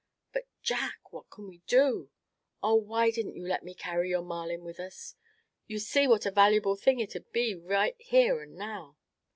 But Jack, what can we do? Oh! why didn't you let me carry our Marlin with us? You see what a valuable thing it'd be right here and now?"